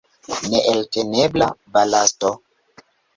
Neeltenebla balasto!